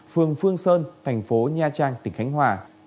phường phương sơn thành phố nha trang tỉnh khánh hòa